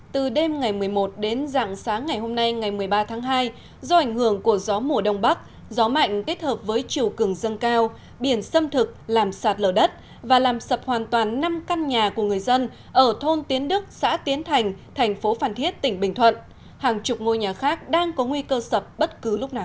từ đêm ngày một mươi một đến dạng sáng ngày hôm nay ngày một mươi ba tháng hai do ảnh hưởng của gió mùa đông bắc gió mạnh kết hợp với chiều cường dâng cao biển xâm thực làm sạt lở đất và làm sập hoàn toàn năm căn nhà của người dân ở thôn tiến đức xã tiến thành thành phố phan thiết tỉnh bình thuận hàng chục ngôi nhà khác đang có nguy cơ sập bất cứ lúc nào